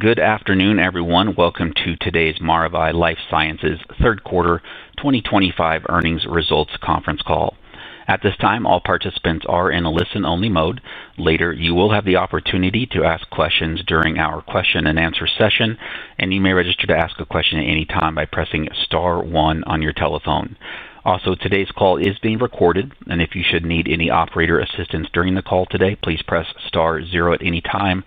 Good afternoon, everyone. Welcome to today's Maravai LifeSciences third quarter 2025 earnings results conference call. At this time, all participants are in a listen-only mode. Later, you will have the opportunity to ask questions during our question-and-answer session, and you may register to ask a question at any time by pressing star one on your telephone. Also, today's call is being recorded, and if you should need any operator assistance during the call today, please press star zero at any time.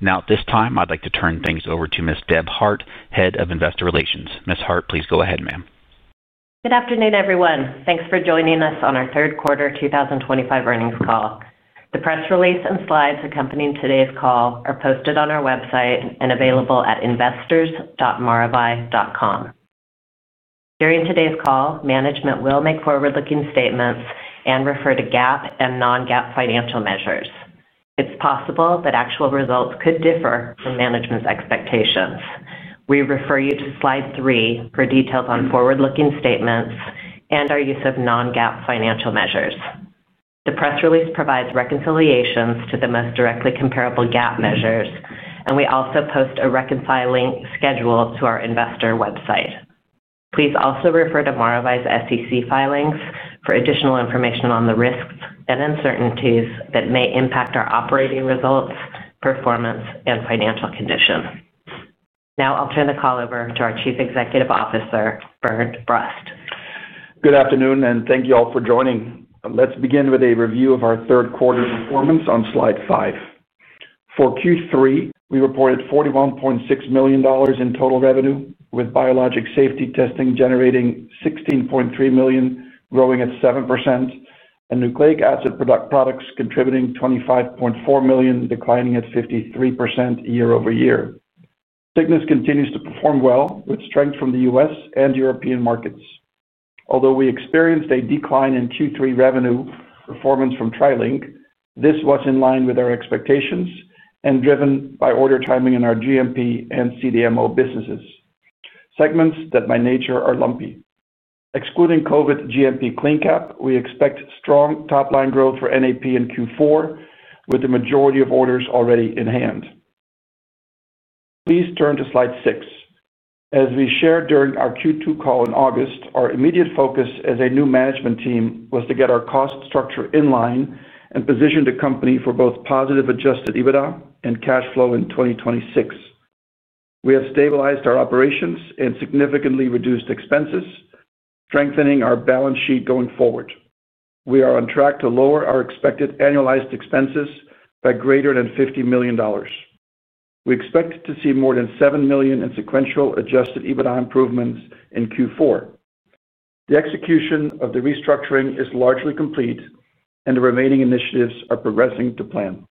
Now, at this time, I'd like to turn things over to Ms. Deb Hart, Head of Investor Relations. Ms. Hart, please go ahead, ma'am. Good afternoon, everyone. Thanks for joining us on our third quarter 2025 earnings call. The press release and slides accompanying today's call are posted on our website and available at investors.maravai.com. During today's call, management will make forward-looking statements and refer to GAAP and non-GAAP financial measures. It's possible that actual results could differ from management's expectations. We refer you to slide three for details on forward-looking statements and our use of non-GAAP financial measures. The press release provides reconciliations to the most directly comparable GAAP measures, and we also post a reconciling schedule to our investor website. Please also refer to Maravai's SEC filings for additional information on the risks and uncertainties that may impact our operating results, performance, and financial condition. Now, I'll turn the call over to our Chief Executive Officer, Bernd Brust. Good afternoon, and thank you all for joining. Let's begin with a review of our third quarter performance on slide five. For Q3, we reported $41.6 million in total revenue, with Biologics Safety Testing generating $16.3 million, growing at 7%, and Nucleic Acid Products contributing $25.4 million, declining at 53% year-over-year. Cygnus continues to perform well, with strength from the U.S. and European markets. Although we experienced a decline in Q3 revenue performance from TriLink, this was in line with our expectations and driven by order timing in our GMP and CDMO businesses, segments that by nature are lumpy. Excluding COVID GMP CleanCap, we expect strong top-line growth for NAP in Q4, with the majority of orders already in hand. Please turn to slide six. As we shared during our Q2 call in August, our immediate focus as a new management team was to get our cost structure in line and position the company for both positive adjusted EBITDA and cash flow in 2026. We have stabilized our operations and significantly reduced expenses, strengthening our balance sheet going forward. We are on track to lower our expected annualized expenses by greater than $50 million. We expect to see more than $7 million in sequential adjusted EBITDA improvements in Q4. The execution of the restructuring is largely complete, and the remaining initiatives are progressing to plan.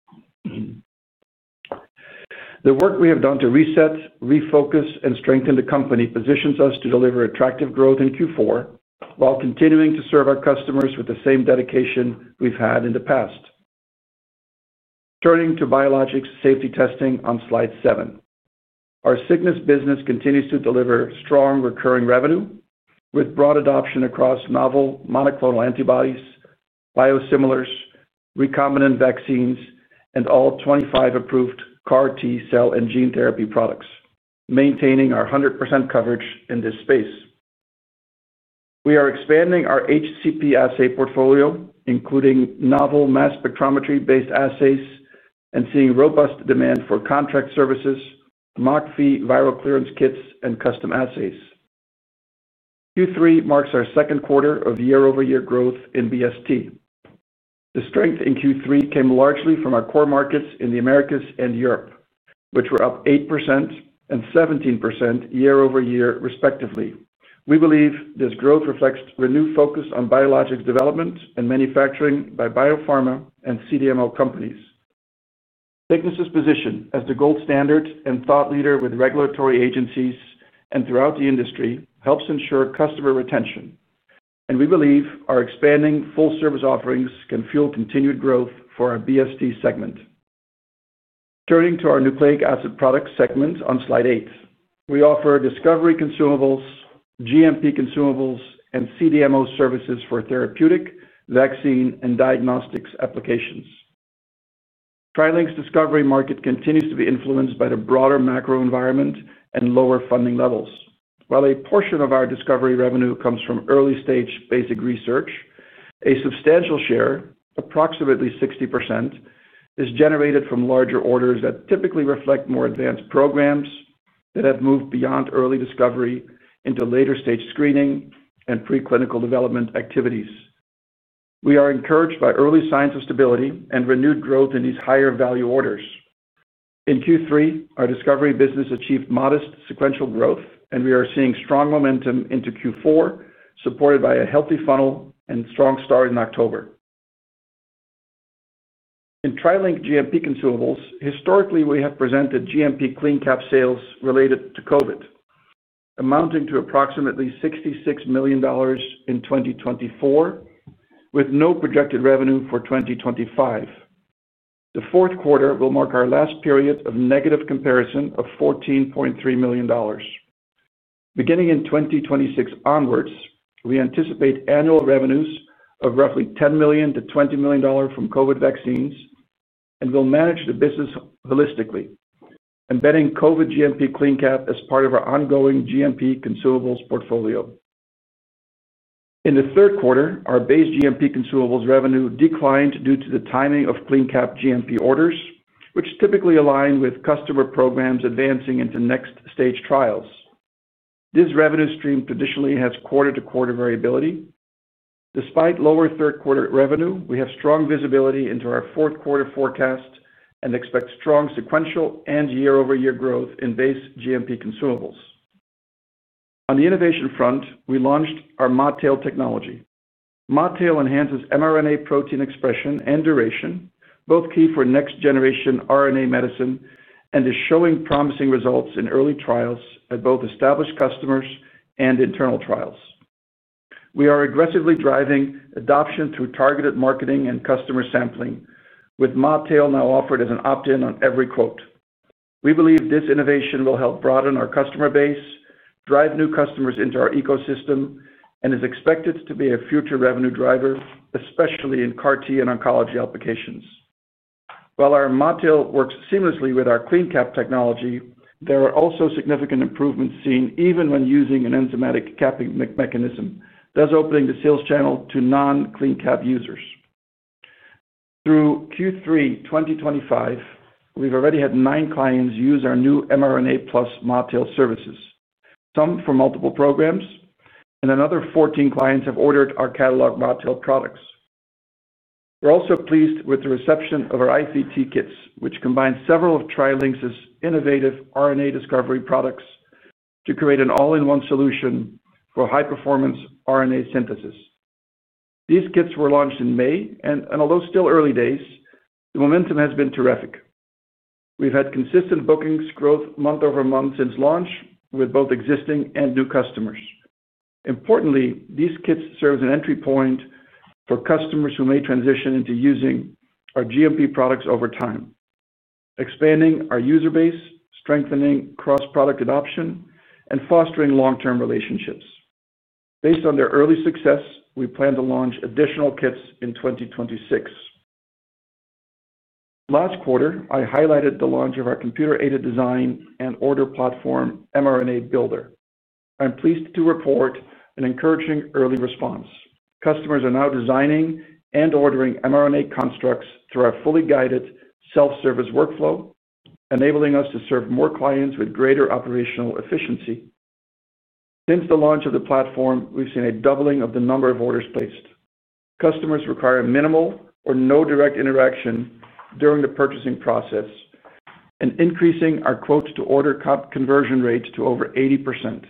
The work we have done to reset, refocus, and strengthen the company positions us to deliver attractive growth in Q4 while continuing to serve our customers with the same dedication we've had in the past. Turning to Biologics Safety Testing on slide seven, our Cygnus business continues to deliver strong recurring revenue with broad adoption across novel monoclonal antibodies, biosimilars, recombinant vaccines, and all 25 approved CAR-T cell and gene therapy products, maintaining our 100% coverage in this space. We are expanding our HCP assay portfolio, including novel mass spectrometry-based assays and seeing robust demand for contract services, MockV viral clearance kits, and custom assays. Q3 marks our second quarter of year-over-year growth in BST. The strength in Q3 came largely from our core markets in the Americas and Europe, which were up 8% and 17% year-over-year, respectively. We believe this growth reflects renewed focus on biologics development and manufacturing by biopharma and CDMO companies. Cygnus's position as the gold standard and thought leader with regulatory agencies and throughout the industry helps ensure customer retention, and we believe our expanding full-service offerings can fuel continued growth for our BST segment. Turning to our Nucleic Acid Products segment on slide eight, we offer discovery consumables, GMP consumables, and CDMO services for therapeutic, vaccine, and diagnostics applications. TriLink's discovery market continues to be influenced by the broader macro environment and lower funding levels. While a portion of our discovery revenue comes from early-stage basic research, a substantial share, approximately 60%, is generated from larger orders that typically reflect more advanced programs that have moved beyond early discovery into later-stage screening and preclinical development activities. We are encouraged by early signs of stability and renewed growth in these higher-value orders. In Q3, our discovery business achieved modest sequential growth, and we are seeing strong momentum into Q4, supported by a healthy funnel and strong start in October. In TriLink GMP consumables, historically, we have presented GMP CleanCap sales related to COVID, amounting to approximately $66 million in 2024, with no projected revenue for 2025. The fourth quarter will mark our last period of negative comparison of $14.3 million. Beginning in 2026 onwards, we anticipate annual revenues of roughly $10 million-$20 million from COVID vaccines and will manage the business holistically, embedding COVID GMP CleanCap as part of our ongoing GMP consumables portfolio. In the third quarter, our base GMP consumables revenue declined due to the timing of CleanCap GMP orders, which typically align with customer programs advancing into next-stage trials. This revenue stream traditionally has quarter-to-quarter variability. Despite lower third-quarter revenue, we have strong visibility into our fourth-quarter forecast and expect strong sequential and year-over-year growth in base GMP consumables. On the innovation front, we launched our ModTail technology. ModTail enhances mRNA protein expression and duration, both key for next-generation RNA medicine, and is showing promising results in early trials at both established customers and internal trials. We are aggressively driving adoption through targeted marketing and customer sampling, with ModTail now offered as an opt-in on every quote. We believe this innovation will help broaden our customer base, drive new customers into our ecosystem, and is expected to be a future revenue driver, especially in CAR-T and oncology applications. While our ModTail works seamlessly with our CleanCap technology, there are also significant improvements seen even when using an enzymatic capping mechanism, thus opening the sales channel to non-CleanCap users. Through Q3 2025, we've already had nine clients use our new mRNA plus ModTail services, some for multiple programs, and another 14 clients have ordered our catalog ModTail products. We're also pleased with the reception of our IVT kits, which combine several of TriLink's innovative RNA discovery products to create an all-in-one solution for high-performance RNA synthesis. These kits were launched in May, and although still early days, the momentum has been terrific. We've had consistent bookings growth month over month since launch with both existing and new customers. Importantly, these kits serve as an entry point for customers who may transition into using our GMP products over time, expanding our user base, strengthening cross-product adoption, and fostering long-term relationships. Based on their early success, we plan to launch additional kits in 2026. Last quarter, I highlighted the launch of our computer-aided design and order platform, mRNA Builder. I'm pleased to report an encouraging early response. Customers are now designing and ordering mRNA constructs through our fully guided self-service workflow, enabling us to serve more clients with greater operational efficiency. Since the launch of the platform, we've seen a doubling of the number of orders placed. Customers require minimal or no direct interaction during the purchasing process. Increasing our quotes-to-order conversion rates to over 80%.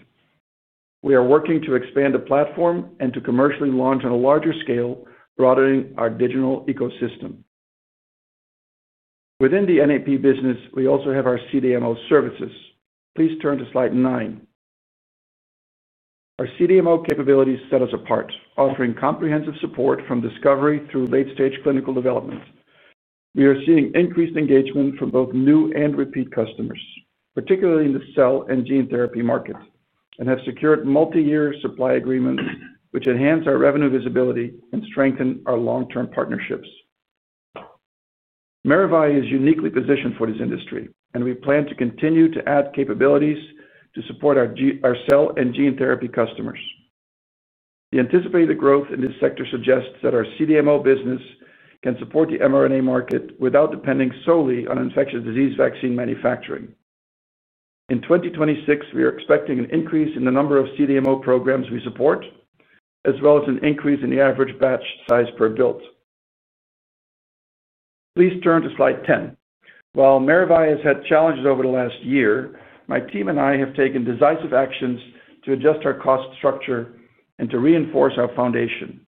We are working to expand the platform and to commercially launch on a larger scale, broadening our digital ecosystem. Within the NAP business, we also have our CDMO services. Please turn to slide nine. Our CDMO capabilities set us apart, offering comprehensive support from discovery through late-stage clinical development. We are seeing increased engagement from both new and repeat customers, particularly in the cell and gene therapy market, and have secured multi-year supply agreements, which enhance our revenue visibility and strengthen our long-term partnerships. Maravai is uniquely positioned for this industry, and we plan to continue to add capabilities to support our cell and gene therapy customers. The anticipated growth in this sector suggests that our CDMO business can support the mRNA market without depending solely on infectious disease vaccine manufacturing. In 2026, we are expecting an increase in the number of CDMO programs we support, as well as an increase in the average batch size per build. Please turn to slide ten. While Maravai has had challenges over the last year, my team and I have taken decisive actions to adjust our cost structure and to reinforce our foundation.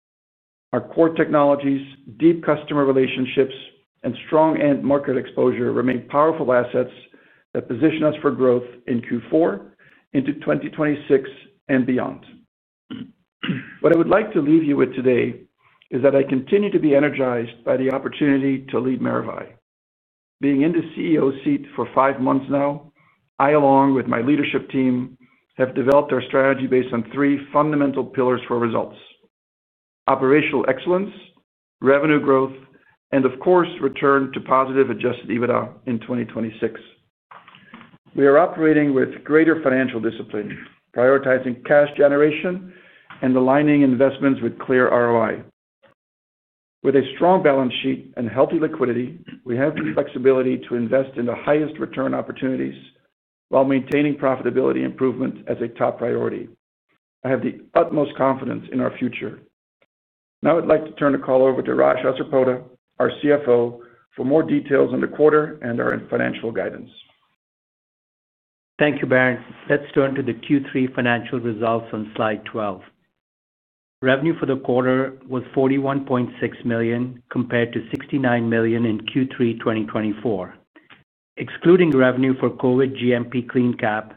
Our core technologies, deep customer relationships, and strong end-market exposure remain powerful assets that position us for growth in Q4, into 2026, and beyond. What I would like to leave you with today is that I continue to be energized by the opportunity to lead Maravai. Being in the CEO seat for five months now, I, along with my leadership team, have developed our strategy based on three fundamental pillars for results: operational excellence, revenue growth, and, of course, return to positive adjusted EBITDA in 2026. We are operating with greater financial discipline, prioritizing cash generation and aligning investments with clear ROI. With a strong balance sheet and healthy liquidity, we have the flexibility to invest in the highest return opportunities while maintaining profitability improvement as a top priority. I have the utmost confidence in our future. Now I'd like to turn the call over to Raj Asarpota, our CFO, for more details on the quarter and our financial guidance. Thank you, Bernd. Let's turn to the Q3 financial results on slide 12. Revenue for the quarter was $41.6 million compared to $69 million in Q3 2024. Excluding revenue for COVID GMP CleanCap,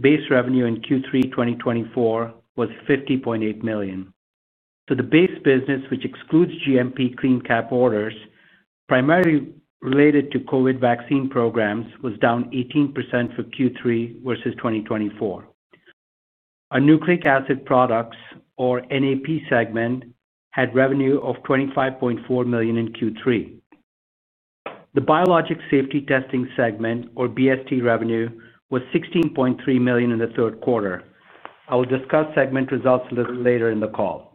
base revenue in Q3 2024 was $50.8 million. So the base business, which excludes GMP CleanCap orders, primarily related to COVID vaccine programs, was down 18% for Q3 versus 2024. Our Nucleic Acid Products, or NAP segment, had revenue of $25.4 million in Q3. The Biologics Safety Testing segment, or BST revenue, was $16.3 million in the third quarter. I will discuss segment results a little later in the call.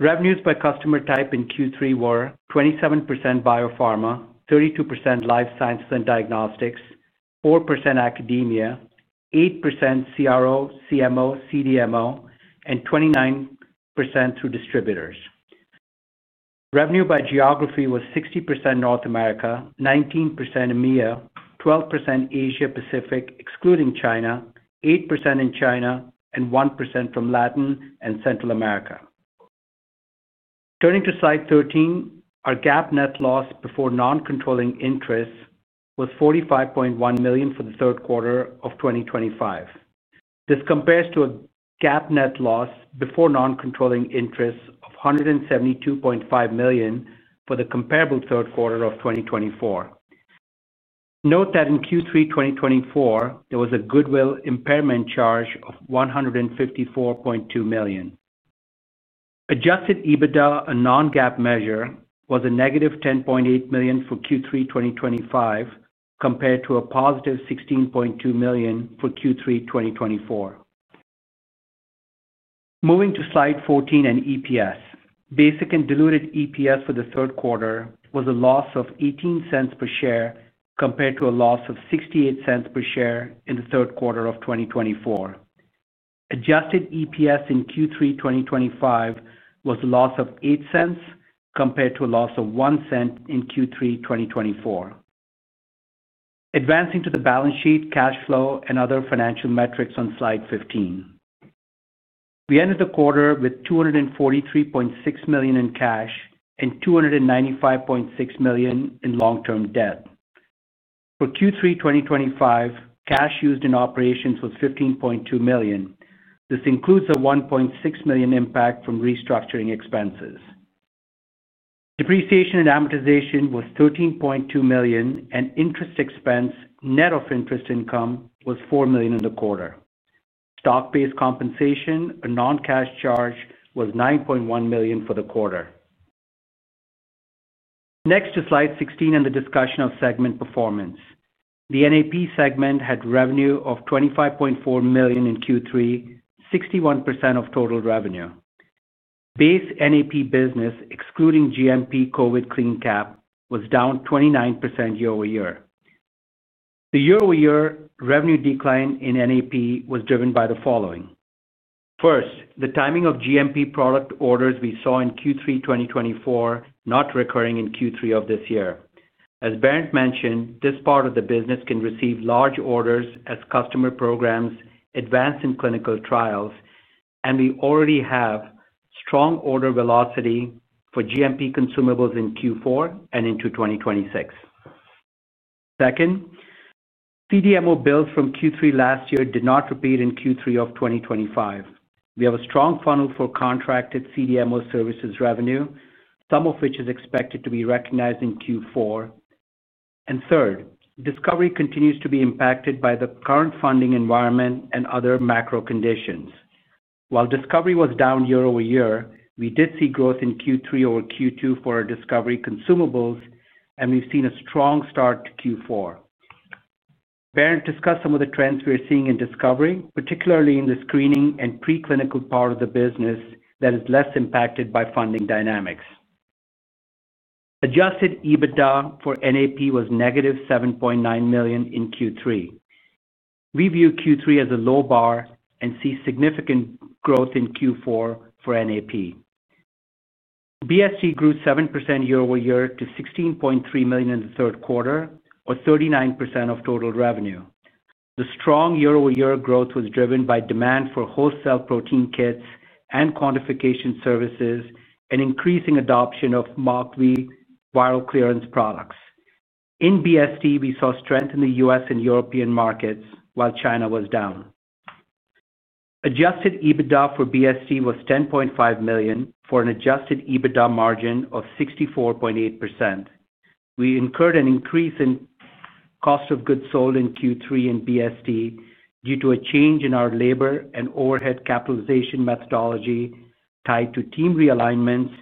Revenues by customer type in Q3 were 27% biopharma, 32% Life Sciences and Diagnostics, 4% academia, 8% CRO, CMO, CDMO, and 29% through distributors. Revenue by geography was 60% North America, 19% EMEA, 12% Asia Pacific, excluding China, 8% in China, and 1% from Latin and Central America. Turning to slide 13, our GAAP net loss before non-controlling interest was $45.1 million for the third quarter of 2025. This compares to a GAAP net loss before non-controlling interest of $172.5 million for the comparable third quarter of 2024. Note that in Q3 2024, there was a goodwill impairment charge of $154.2 million. Adjusted EBITDA, a non-GAAP measure, was a negative $10.8 million for Q3 2025 compared to a positive $16.2 million for Q3 2024. Moving to slide 14 and EPS. Basic and diluted EPS for the third quarter was a loss of $0.18 per share compared to a loss of $0.68 per share in the third quarter of 2024. Adjusted EPS in Q3 2025 was a loss of $0.08 compared to a loss of $0.01 in Q3 2024. Advancing to the balance sheet, cash flow, and other financial metrics on slide 15. We ended the quarter with $243.6 million in cash and $295.6 million in long-term debt. For Q3 2025, cash used in operations was $15.2 million. This includes a $1.6 million impact from restructuring expenses. Depreciation and amortization was $13.2 million, and interest expense, net of interest income, was $4 million in the quarter. Stock-based compensation, a non-cash charge, was $9.1 million for the quarter. Next to slide 16 and the discussion of segment performance. The NAP segment had revenue of $25.4 million in Q3, 61% of total revenue. Base NAP business, excluding GMP COVID CleanCap, was down 29% year-over-year. The year-over-year revenue decline in NAP was driven by the following. First, the timing of GMP product orders we saw in Q3 2024 not recurring in Q3 of this year. As Bernd mentioned, this part of the business can receive large orders as customer programs advance in clinical trials, and we already have strong order velocity for GMP consumables in Q4 and into 2026. Second, CDMO bills from Q3 last year did not repeat in Q3 of 2025. We have a strong funnel for contracted CDMO services revenue, some of which is expected to be recognized in Q4. Third, discovery continues to be impacted by the current funding environment and other macro conditions. While discovery was down year-over-year, we did see growth in Q3 over Q2 for our discovery consumables, and we've seen a strong start to Q4. Bernd discussed some of the trends we are seeing in discovery, particularly in the screening and preclinical part of the business that is less impacted by funding dynamics. Adjusted EBITDA for NAP was -$7.9 million in Q3. We view Q3 as a low bar and see significant growth in Q4 for NAP. BST grew 7% year-over-year to $16.3 million in the third quarter, or 39% of total revenue. The strong year-over-year growth was driven by demand for wholesale protein kits and quantification services and increasing adoption of MockV viral clearance products. In BST, we saw strength in the U.S. and European markets while China was down. Adjusted EBITDA for BST was $10.5 million for an adjusted EBITDA margin of 64.8%. We incurred an increase in cost of goods sold in Q3 in BST due to a change in our labor and overhead capitalization methodology tied to team realignments,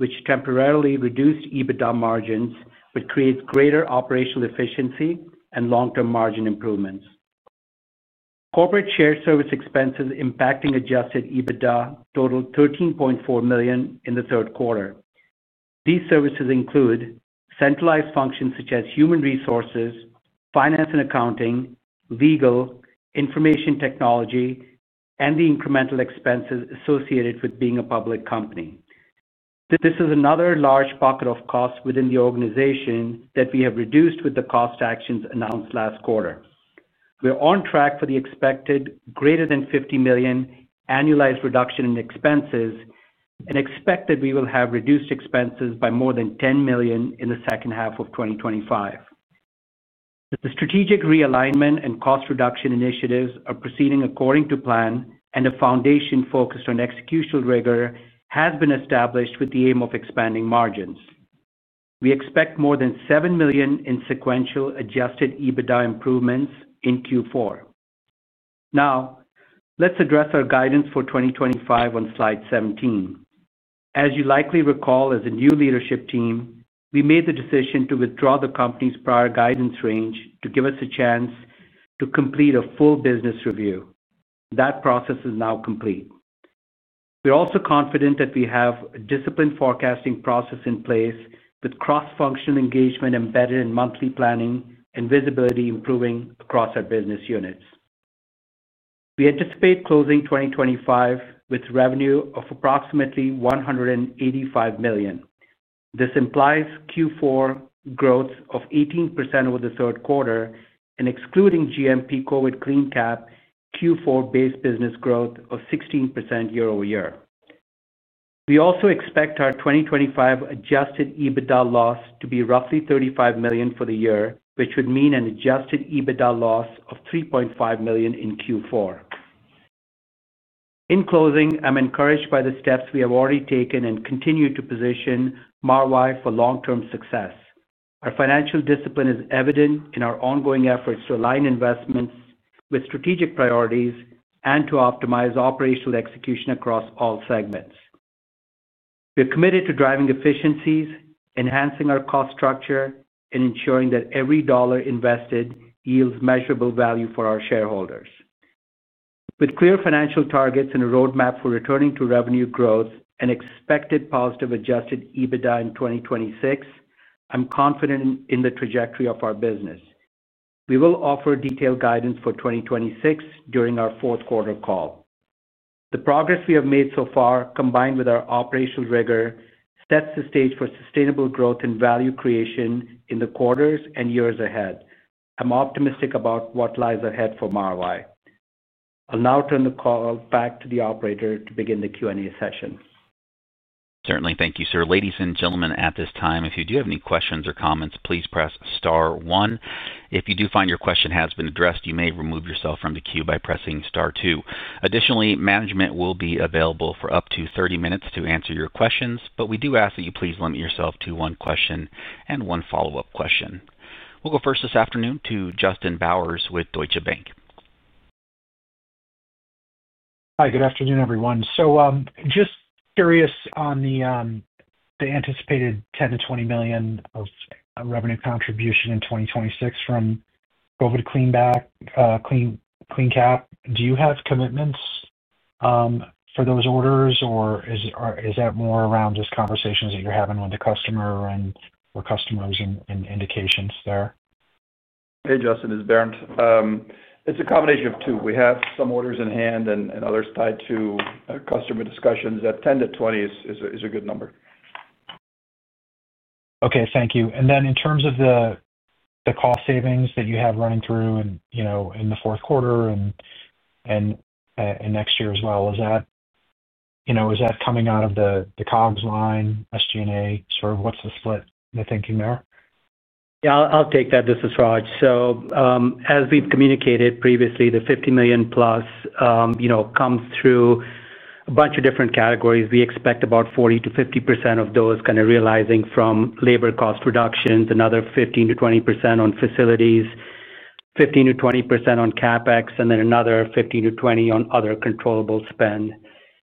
which temporarily reduced EBITDA margins, but creates greater operational efficiency and long-term margin improvements. Corporate share service expenses impacting adjusted EBITDA totaled $13.4 million in the third quarter. These services include centralized functions such as human resources, finance and accounting, legal, information technology, and the incremental expenses associated with being a public company. This is another large pocket of costs within the organization that we have reduced with the cost actions announced last quarter. We're on track for the expected greater than $50 million annualized reduction in expenses and expect that we will have reduced expenses by more than $10 million in the second half of 2025. The strategic realignment and cost reduction initiatives are proceeding according to plan, and a foundation focused on executional rigor has been established with the aim of expanding margins. We expect more than $7 million in sequential adjusted EBITDA improvements in Q4. Now, let's address our guidance for 2025 on slide 17. As you likely recall, as a new leadership team, we made the decision to withdraw the company's prior guidance range to give us a chance to complete a full business review. That process is now complete. We're also confident that we have a disciplined forecasting process in place with cross-functional engagement embedded in monthly planning and visibility improving across our business units. We anticipate closing 2025 with revenue of approximately $185 million. This implies Q4 growth of 18% over the third quarter, and excluding GMP COVID CleanCap, Q4 base business growth of 16% year-over-year. We also expect our 2025 adjusted EBITDA loss to be roughly $35 million for the year, which would mean an adjusted EBITDA loss of $3.5 million in Q4. In closing, I'm encouraged by the steps we have already taken and continue to position Maravai for long-term success. Our financial discipline is evident in our ongoing efforts to align investments with strategic priorities and to optimize operational execution across all segments. We're committed to driving efficiencies, enhancing our cost structure, and ensuring that every dollar invested yields measurable value for our shareholders. With clear financial targets and a roadmap for returning to revenue growth and expected positive adjusted EBITDA in 2026, I'm confident in the trajectory of our business. We will offer detailed guidance for 2026 during our fourth quarter call. The progress we have made so far, combined with our operational rigor, sets the stage for sustainable growth and value creation in the quarters and years ahead. I'm optimistic about what lies ahead for Maravai. I'll now turn the call back to the operator to begin the Q&A session. Certainly. Thank you, sir. Ladies and gentlemen, at this time, if you do have any questions or comments, please press star one. If you do find your question has been addressed, you may remove yourself from the queue by pressing star two. Additionally, management will be available for up to 30 minutes to answer your questions, but we do ask that you please limit yourself to one question and one follow-up question. We'll go first this afternoon to Justin Bowers with Deutsche Bank. Hi, good afternoon, everyone. Just curious on the anticipated $10 million-$20 million revenue contribution in 2026 from COVID CleanCap. Do you have commitments for those orders, or is that more around just conversations that you're having with the customer and/or customers and indications there? Hey, Justin. It's Bernd. It's a combination of two. We have some orders in hand and others tied to customer discussions. That 10-20 is a good number. Okay. Thank you. In terms of the cost savings that you have running through in the fourth quarter and next year as well, is that coming out of the COGS line, SG&A? Sort of what's the split in the thinking there? Yeah. I'll take that. This is Raj. As we've communicated previously, the $50 million plus comes through a bunch of different categories. We expect about 40%-50% of those kind of realizing from labor cost reductions, another 15%-20% on facilities, 15%-20% on CapEx, and then another 15%-20% on other controllable spend.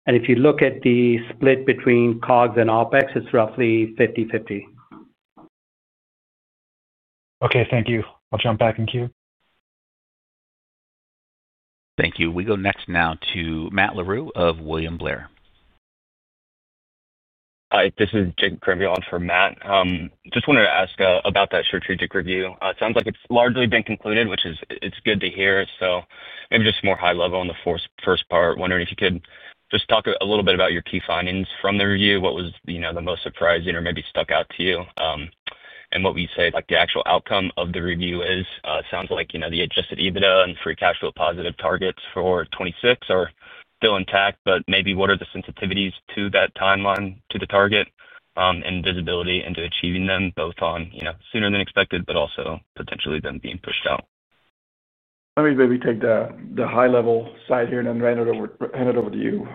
If you look at the split between COGS and OpEx, it's roughly 50/50. Okay. Thank you. I'll jump back in queue. Thank you. We go next now to Matt Larew of William Blair. Hi. This is Jake Grimbjorn for Matt. Just wanted to ask about that strategic review. It sounds like it's largely been concluded, which is good to hear. Maybe just more high level on the first part, wondering if you could just talk a little bit about your key findings from the review. What was the most surprising or maybe stuck out to you? What would you say the actual outcome of the review is? It sounds like the adjusted EBITDA and free cash flow positive targets for 2026 are still intact, but maybe what are the sensitivities to that timeline, to the target, and visibility into achieving them both on sooner than expected, but also potentially them being pushed out? Let me maybe take the high-level side here and then hand it over to you.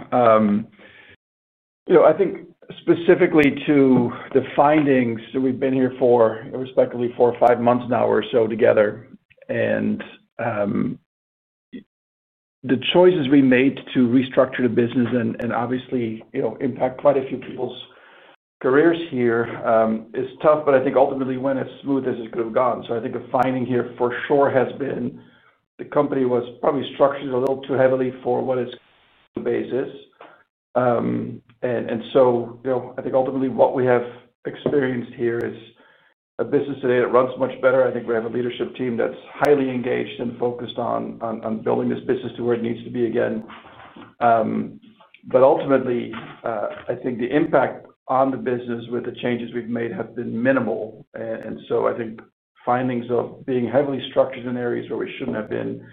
I think specifically to the findings that we've been here for, irrespectively, four or five months now or so together. The choices we made to restructure the business and obviously impact quite a few people's careers here is tough, but I think ultimately when it's smooth, this is good to have gone. I think the finding here for sure has been the company was probably structured a little too heavily for what its basis. I think ultimately what we have experienced here is a business today that runs much better. I think we have a leadership team that's highly engaged and focused on building this business to where it needs to be again. Ultimately, I think the impact on the business with the changes we've made has been minimal. I think findings of being heavily structured in areas where we shouldn't have been,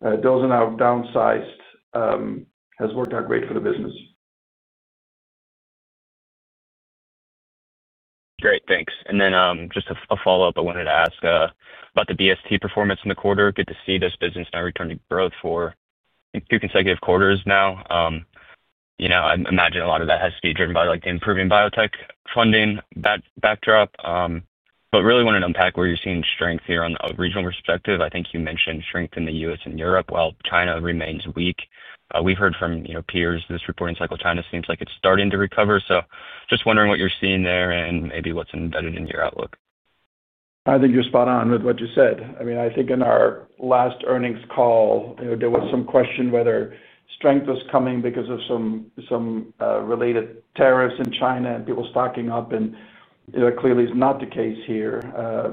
those in our downsized, has worked out great for the business. Great. Thanks. Then just a follow-up, I wanted to ask about the BST performance in the quarter. Good to see this business now return to growth for two consecutive quarters now. I imagine a lot of that has to be driven by the improving biotech funding backdrop. I really wanted to unpack where you're seeing strength here on a regional perspective. I think you mentioned strength in the U.S. and Europe. While China remains weak, we've heard from peers this reporting cycle. China seems like it's starting to recover. Just wondering what you're seeing there and maybe what's embedded in your outlook. I think you're spot on with what you said. I mean, I think in our last earnings call, there was some question whether strength was coming because of some related tariffs in China and people stocking up. Clearly, it's not the case here.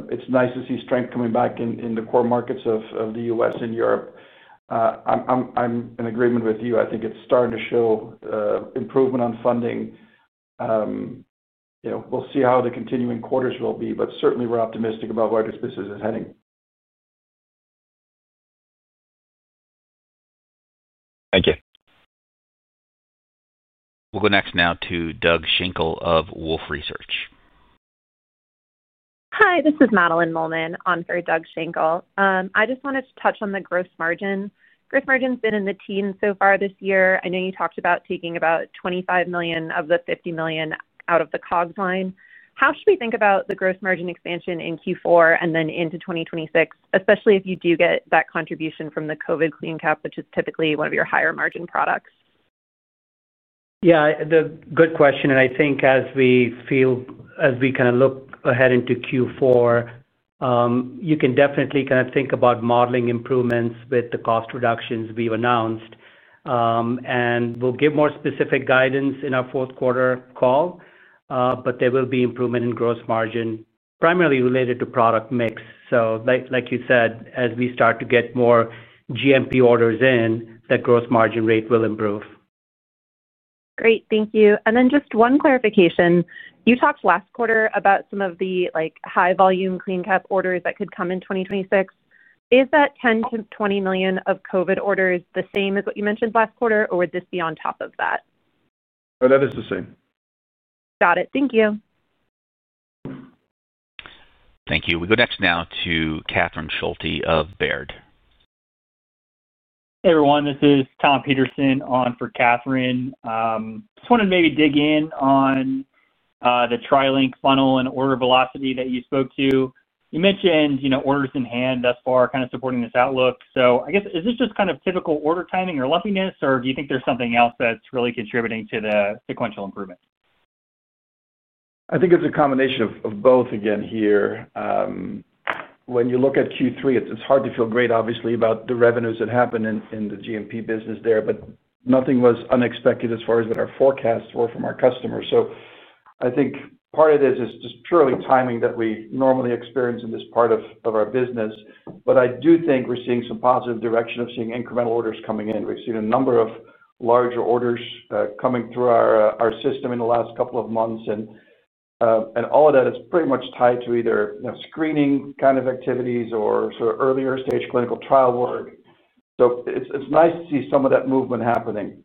It's nice to see strength coming back in the core markets of the U.S. and Europe. I'm in agreement with you. I think it's starting to show improvement on funding. We'll see how the continuing quarters will be, but certainly we're optimistic about where this business is heading. Thank you. We'll go next now to Doug Schenkel of Wolf Research. Hi, this is Madeline Mollman on for Doug Schenkel. I just wanted to touch on the gross margin. Gross margin's been in the teens so far this year. I know you talked about taking about $25 million of the $50 million out of the COGS line. How should we think about the gross margin expansion in Q4 and then into 2026, especially if you do get that contribution from the COVID CleanCap, which is typically one of your higher margin products? Yeah. Good question. I think as we feel, as we kind of look ahead into Q4, you can definitely kind of think about modeling improvements with the cost reductions we've announced. We'll give more specific guidance in our fourth quarter call. There will be improvement in gross margin, primarily related to product mix. Like you said, as we start to get more GMP orders in, that gross margin rate will improve. Great. Thank you. Just one clarification. You talked last quarter about some of the high-volume CleanCap orders that could come in 2026. Is that $10-$20 million of COVID orders the same as what you mentioned last quarter, or would this be on top of that? Oh, that is the same. Got it. Thank you. Thank you. We go next now to Catherine Schulte of Baird. Hey, everyone. This is Tom Peterson on for Catherine. Just wanted to maybe dig in on the TriLink funnel and order velocity that you spoke to. You mentioned orders in hand thus far kind of supporting this outlook. I guess, is this just kind of typical order timing or lumpiness, or do you think there's something else that's really contributing to the sequential improvement? I think it's a combination of both again here. When you look at Q3, it's hard to feel great, obviously, about the revenues that happened in the GMP business there, but nothing was unexpected as far as our forecasts were from our customers. I think part of this is just purely timing that we normally experience in this part of our business. I do think we're seeing some positive direction of seeing incremental orders coming in. We've seen a number of larger orders coming through our system in the last couple of months. All of that is pretty much tied to either screening kind of activities or sort of earlier stage clinical trial work. It's nice to see some of that movement happening.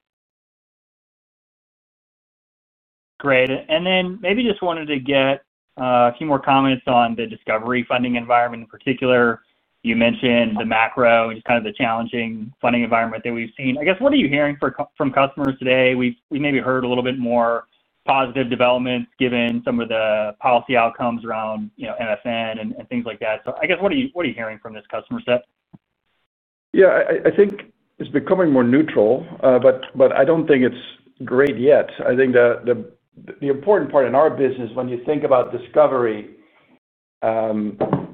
Great. Maybe just wanted to get a few more comments on the discovery funding environment in particular. You mentioned the macro and just kind of the challenging funding environment that we've seen. I guess, what are you hearing from customers today? We maybe heard a little bit more positive developments given some of the policy outcomes around MFN and things like that. I guess, what are you hearing from this customer set? Yeah. I think it's becoming more neutral, but I don't think it's great yet. I think the important part in our business, when you think about discovery.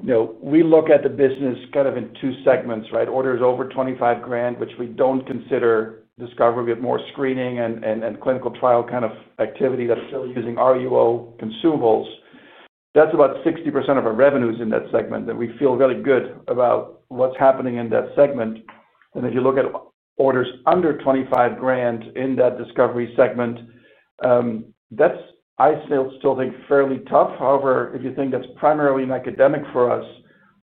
We look at the business kind of in two segments, right? Orders over $25,000, which we don't consider discovery. We have more screening and clinical trial kind of activity that's still using RUO consumables. That's about 60% of our revenues in that segment. And we feel really good about what's happening in that segment. If you look at orders under $25,000 in that Discovery segment, I still think fairly tough. However, if you think that's primarily an academic for us,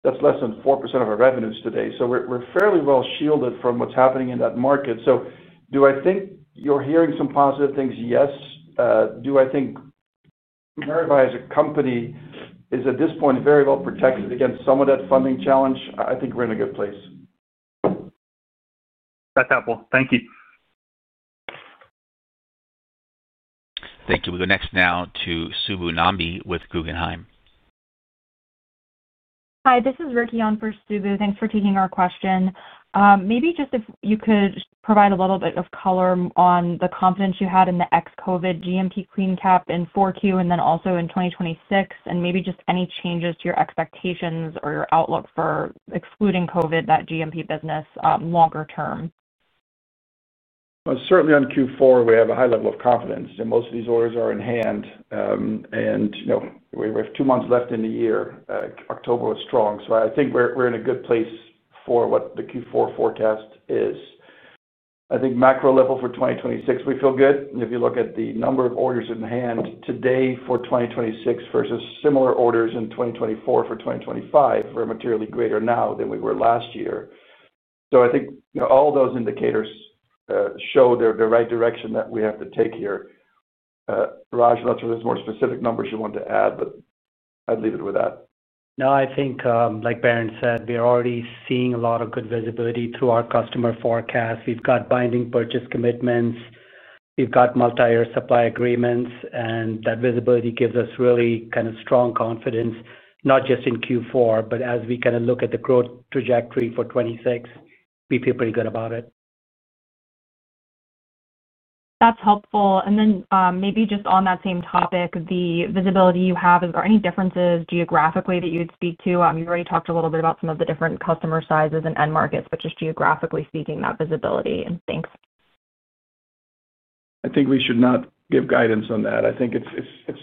that's less than 4% of our revenues today. We're fairly well shielded from what's happening in that market. Do I think you're hearing some positive things? Yes. Do I think. Maravai as a company is at this point very well protected against some of that funding challenge. I think we're in a good place. That's helpful. Thank you. Thank you. We go next now to Subbu Nambi with Guggenheim. Hi. This is Ricki on for Subbu. Thanks for taking our question. Maybe just if you could provide a little bit of color on the confidence you had in the ex-COVID GMP CleanCap in Q4 and then also in 2026, and maybe just any changes to your expectations or your outlook for excluding COVID, that GMP business longer term. Certainly on Q4, we have a high level of confidence. Most of these orders are in hand. We have two months left in the year. October was strong. I think we are in a good place for what the Q4 forecast is. I think macro level for 2026, we feel good. If you look at the number of orders in hand today for 2026 versus similar orders in 2024 for 2025, we are materially greater now than we were last year. I think all those indicators show the right direction that we have to take here. Raj, unless there are more specific numbers you want to add, but I would leave it with that. No, I think, like Bernd said, we are already seeing a lot of good visibility through our customer forecast. We've got binding purchase commitments. We've got multi-year supply agreements. That visibility gives us really kind of strong confidence, not just in Q4, but as we kind of look at the growth trajectory for 2026, we feel pretty good about it. That's helpful. Maybe just on that same topic, the visibility you have, are there any differences geographically that you'd speak to? You already talked a little bit about some of the different customer sizes and end markets, but just geographically speaking, that visibility and things. I think we should not give guidance on that. I think it's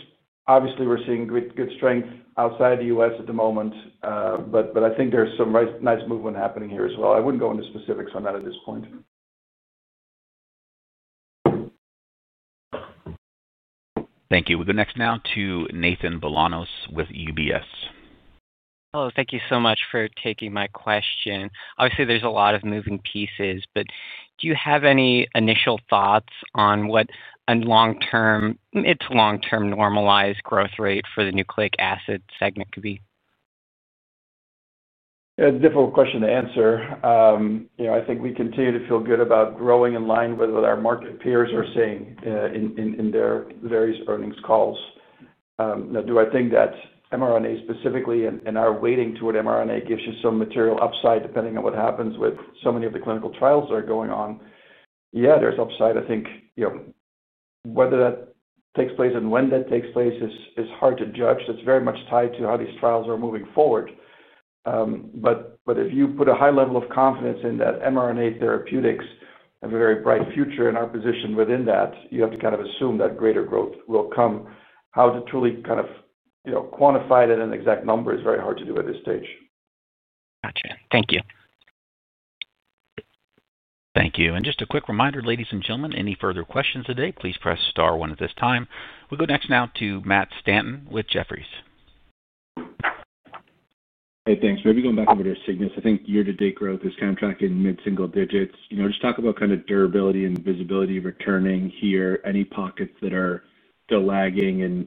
obviously we're seeing good strength outside the U.S. at the moment, but I think there's some nice movement happening here as well. I wouldn't go into specifics on that at this point. Thank you. We go next now to Nathan Bolanos with UBS. Hello. Thank you so much for taking my question. Obviously, there's a lot of moving pieces, but do you have any initial thoughts on what a long-term, long-term normalized growth rate for the Nucleic Acid segment could be? It's a difficult question to answer. I think we continue to feel good about growing in line with what our market peers are seeing in their various earnings calls. Now, do I think that mRNA specifically and are waiting to what mRNA gives you some material upside depending on what happens with so many of the clinical trials that are going on? Yeah, there's upside, I think. Whether that takes place and when that takes place is hard to judge. It's very much tied to how these trials are moving forward. If you put a high level of confidence in that mRNA therapeutics have a very bright future in our position within that, you have to kind of assume that greater growth will come. How to truly kind of quantify it in an exact number is very hard to do at this stage. Gotcha. Thank you. Thank you. Just a quick reminder, ladies and gentlemen, any further questions today, please press star one at this time. We go next now to Matt Stanton with Jefferies. Hey, thanks. Maybe going back over to Cygnus, I think year-to-date growth is kind of tracking mid-single digits. Just talk about kind of durability and visibility returning here. Any pockets that are still lagging and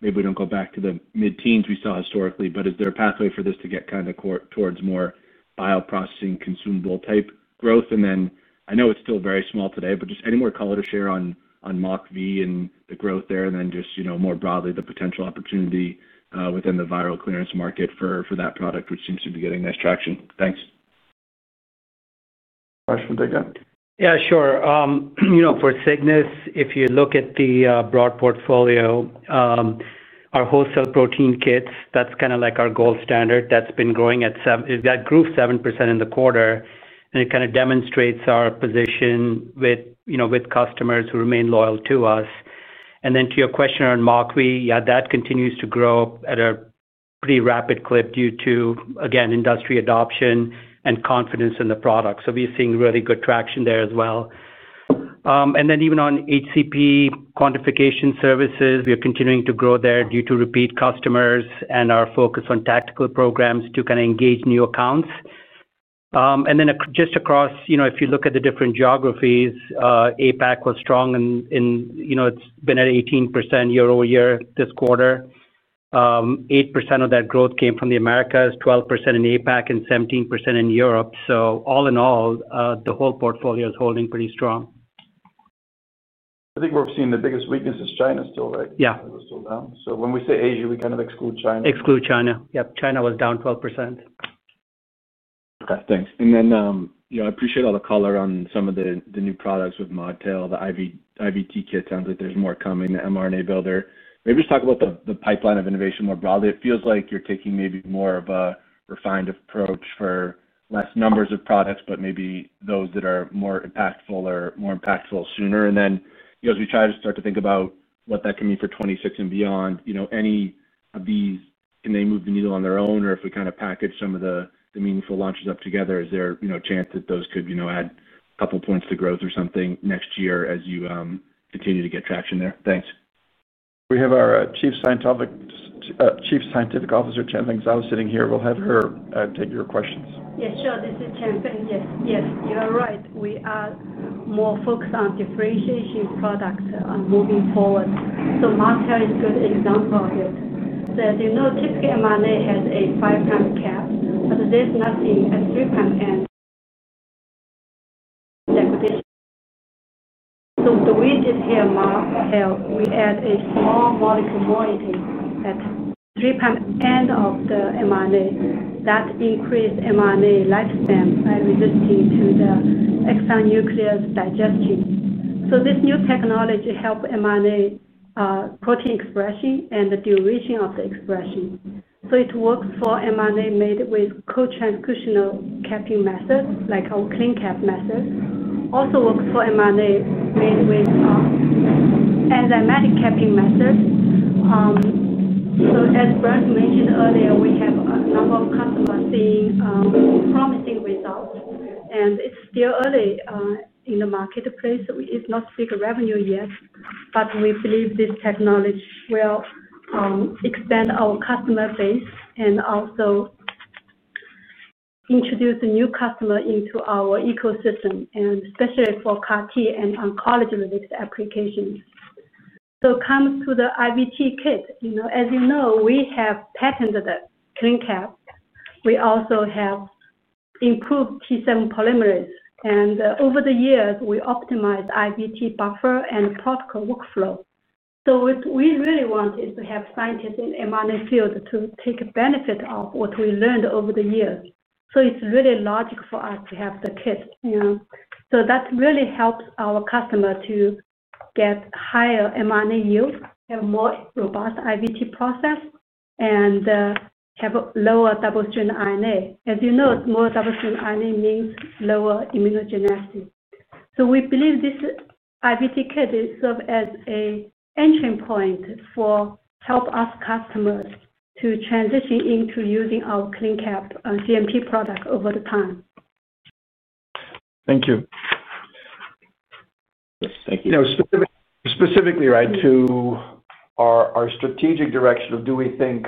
maybe we do not go back to the mid-teens we saw historically, but is there a pathway for this to get kind of towards more bio-processing consumable type growth? I know it is still very small today, but just any more color to share on MockV and the growth there, and then just more broadly, the potential opportunity within the viral clearance market for that product, which seems to be getting nice traction. Thanks. Raj, would you take that? Yeah, sure. For Cygnus, if you look at the broad portfolio. Our wholesale protein kits, that's kind of like our gold standard. That's been growing at that grew 7% in the quarter, and it kind of demonstrates our position with customers who remain loyal to us. To your question on MockV, yeah, that continues to grow at a pretty rapid clip due to, again, industry adoption and confidence in the product. We're seeing really good traction there as well. Even on HCP quantification services, we are continuing to grow there due to repeat customers and our focus on tactical programs to kind of engage new accounts. Just across, if you look at the different geographies, APAC was strong in it's been at 18% year over year this quarter. 8% of that growth came from the Americas, 12% in APAC, and 17% in Europe. All in all, the whole portfolio is holding pretty strong. I think we're seeing the biggest weakness is China still, right? Yeah. It's still down. When we say Asia, we kind of exclude China. Exclude China. Yep. China was down 12%. Okay. Thanks. I appreciate all the color on some of the new products with ModTail, the IVT kit. Sounds like there's more coming, the mRNA Builder. Maybe just talk about the pipeline of innovation more broadly. It feels like you're taking maybe more of a refined approach for fewer products, but maybe those that are more impactful are more impactful sooner. As we try to start to think about what that can mean for 2026 and beyond, any of these, can they move the needle on their own? Or if we kind of package some of the meaningful launches up together, is there a chance that those could add a couple points to growth or something next year as you continue to get traction there? Thanks. We have our Chief Scientific Officer, Chanfeng Zhao, sitting here. We'll have her take your questions. Yes, sure. This is Chanfeng. Yes, you are right. We are more focused on differentiation products moving forward. So ModTail is a good example of it. Typically, mRNA has a five-prong cap, but there is nothing at the three-prong end. So the way with ModTail, we add a small molecule at the three-prong end of the mRNA. That increases mRNA lifespan by resisting the exonuclease digestion. This new technology helps mRNA protein expression and the duration of the expression. It works for mRNA made with co-transcriptional capping methods, like our CleanCap method. It also works for mRNA made with enzymatic capping method. As Bernd mentioned earlier, we have a number of customers seeing promising results. It is still early in the marketplace. It is not big revenue yet, but we believe this technology will expand our customer base and also. Introduce new customers into our ecosystem, and especially for CAR-T and oncology-related applications. It comes to the IVT kit. As you know, we have patented the CleanCap. We also have improved T7 polymerase. Over the years, we optimized IVT buffer and protocol workflow. What we really want is to have scientists in the mRNA field take benefit of what we learned over the years. It is really logical for us to have the kit. That really helps our customer to get higher mRNA yield, have a more robust IVT process, and have lower double-strand RNA. As you know, more double-strand RNA means lower immunogenicity. We believe this IVT kit serves as an entry point for helping our customers to transition into using our CleanCap GMP product over time. Thank you. Thank you. Specifically, right, to our strategic direction of do we think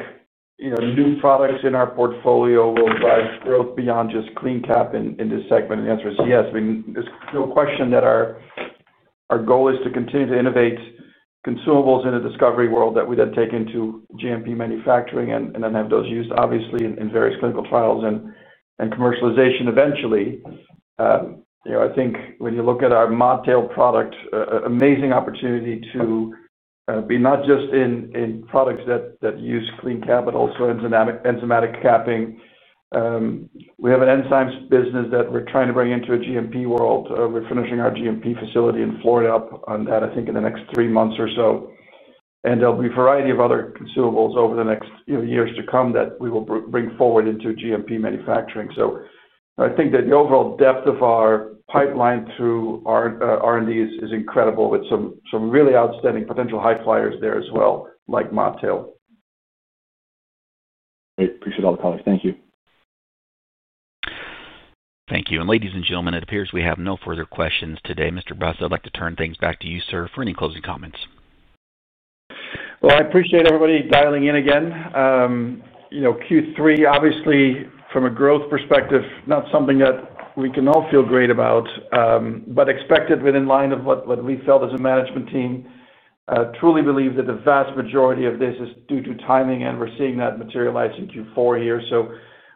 new products in our portfolio will drive growth beyond just CleanCap in this segment? The answer is yes. There's no question that our goal is to continue to innovate consumables in the discovery world that we then take into GMP manufacturing and then have those used, obviously, in various clinical trials and commercialization eventually. I think when you look at our ModTail product, an amazing opportunity to be not just in products that use CleanCap, but also enzymatic capping. We have an enzymes business that we're trying to bring into a GMP world. We're finishing our GMP facility in Florida up on that, I think, in the next three months or so. There'll be a variety of other consumables over the next years to come that we will bring forward into GMP manufacturing. I think that the overall depth of our pipeline through our R&D is incredible with some really outstanding potential high flyers there as well, like ModTail. Great. Appreciate all the color. Thank you. Thank you. Ladies and gentlemen, it appears we have no further questions today. Mr. Brust, I'd like to turn things back to you, sir, for any closing comments. I appreciate everybody dialing in again. Q3, obviously, from a growth perspective, not something that we can all feel great about. Expected within line of what we felt as a management team. Truly believe that the vast majority of this is due to timing, and we're seeing that materialize in Q4 here.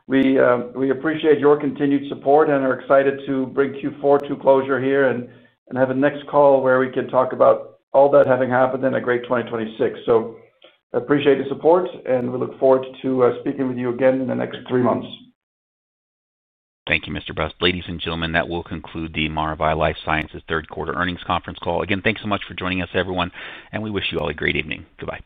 We appreciate your continued support and are excited to bring Q4 to closure here and have a next call where we can talk about all that having happened in a great 2026. I appreciate the support, and we look forward to speaking with you again in the next three months. Thank you, Mr. Brust. Ladies and gentlemen, that will conclude the Maravai LifeSciences third quarter earnings conference call. Again, thanks so much for joining us, everyone, and we wish you all a great evening. Goodbye.